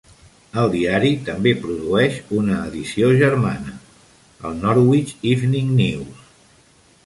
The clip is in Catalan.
El diari també produeix una edició germana, el Norwich Evening News.